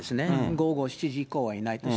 午後７時以降はいないとか。